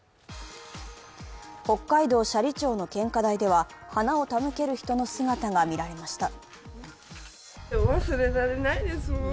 北海道斜里町の献花台では、花を手向ける人の姿が見られました。